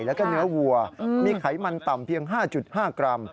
แล้วก็เนื้อวัวมีไขมันต่ำเพียง๕๕กรัม